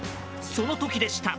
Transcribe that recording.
その時でした。